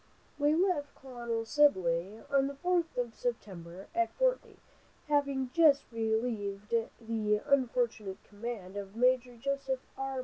We left Colonel Sibley, on the 4th of September, at Fort Ridgely, having just relieved the unfortunate command of Major Joseph R.